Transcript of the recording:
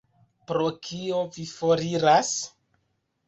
Pro kio vi foriras?